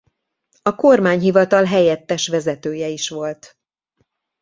A kormányhivatal helyettes vezetője is volt.